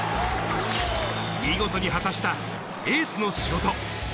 見事に果たしたエースの仕事。